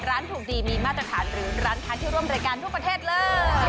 ร้านถูกดีมีมาตรฐานหรือร้านค้าที่ร่วมรายการทั่วประเทศเลย